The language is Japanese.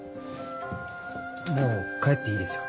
もう帰っていいですよ。